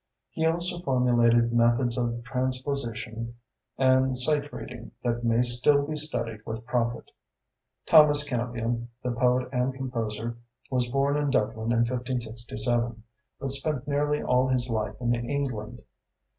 He also formulated methods of transposition and sight reading that may still be studied with profit. Thomas Campion, the poet and composer, was born in Dublin in 1567, but spent nearly all his life in England.